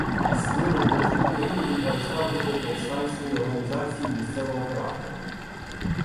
Із плином подій в Україні він перестав бути повстанською організацією місцевого характеру.